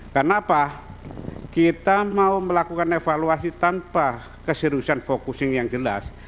karena apa kita mau melakukan evaluasi tanpa keseriusan fokus yang jelas